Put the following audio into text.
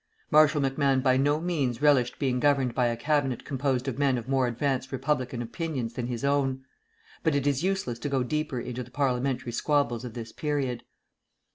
Marshal MacMahon by no means relished being governed by a cabinet composed of men of more advanced republican opinions than his own. But it is useless to go deeper into the parliamentary squabbles of this period.